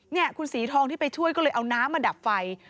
นี่คุณศรีทองที่ไปช่วยก็เลยเอาน้ำมาดับไฟ